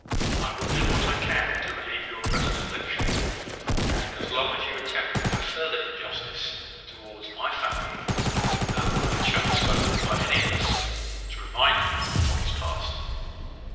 I will do what I can to relieve your present affliction; and, as long as you attempt no further injustice towards my family, no words shall be spoken by any of us, to remind you of what is past."